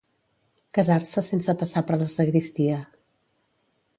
Casar-se sense passar per la sagristia.